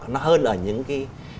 nó hơn ở những cái